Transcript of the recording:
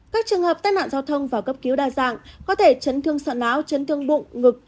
các trường hợp tai nạn giao thông vào cấp cứu đa dạng có thể chấn thương sọ não chấn thương bụng ngực